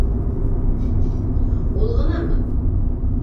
Ул ғынамы?